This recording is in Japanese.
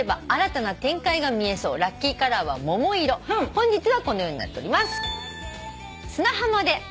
本日はこのようになっております。